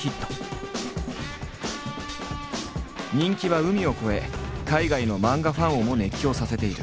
人気は海を超え海外の漫画ファンをも熱狂させている。